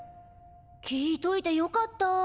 聞いといてよかったぁ。